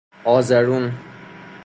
آزرون